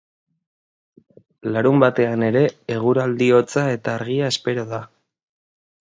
Larunbatean ere eguraldi hotza eta argia espero da.